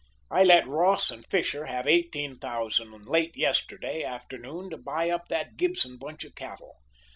I let Ross and Fisher have $18,000 late yesterday afternoon to buy up that Gibson bunch of cattle.